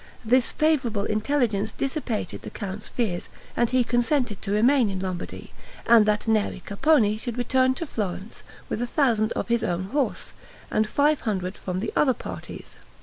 This favorable intelligence dissipated the count's fears, and he consented to remain in Lombardy, and that Neri Capponi should return to Florence with a thousand of his own horse, and five hundred from the other parties.